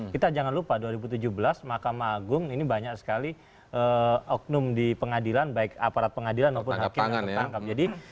kita jangan lupa dua ribu tujuh belas mahkamah agung ini banyak sekali oknum di pengadilan baik aparat pengadilan maupun hakim yang tertangkap